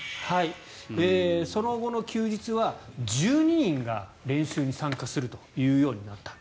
その後の休日は１２人が練習に参加するようになった。